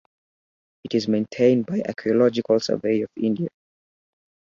It is maintained by Archaeological Survey of India.